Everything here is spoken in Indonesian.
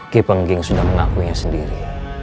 kepengging sudah mengakuinya sendiri